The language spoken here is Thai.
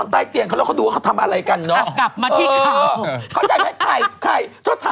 แล้วเขาดูของทำอะไรกันเนอะ